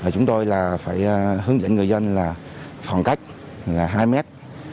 chúng tôi là phải hướng dẫn người dân là khoảng cách là hai mét